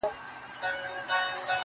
زه د هر چا ښو له کاره ويستمه_